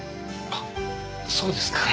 あっそうですか。